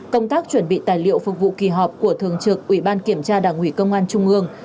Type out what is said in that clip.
công tác chuẩn bị tài liệu phục vụ kỳ họp của thường trực ủy ban kiểm tra đảng ủy công an trung ương